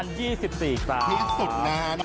นี่สุดนาน